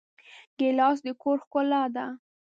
ګیلاس د کور ښکلا ده.